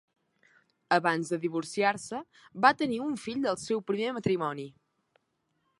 Abans de divorciar-se, va tenir un fill del seu primer matrimoni.